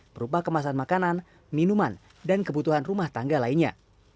berupa kemasan makanan minuman dan kebutuhan rumah tangga lainnya